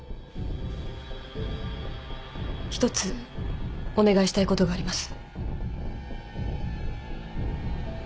一つお願いしたいことがあります。